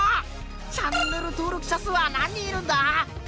チャンネル登録者数は何人いるんだ？